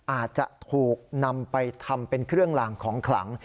อาจจะถูกนำไปทำเป็นเครื่องลางของขลัง